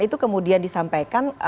itu kemudian disampaikan